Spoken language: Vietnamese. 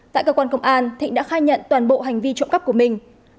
tại cơ quan công an thịnh đã khai nhận toàn bộ hành vi trộm cắp của mình